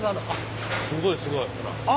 すごいすごいほら。